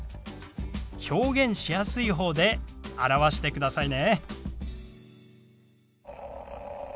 表現しやすい方で表してくださいね。